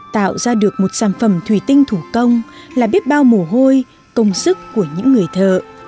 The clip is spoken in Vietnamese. tạo ra được một sản phẩm thủy tinh thủ công là biết bao mồ hôi công sức của những người thợ